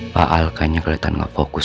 pak al kayaknya kelihatan gak fokus